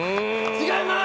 違います！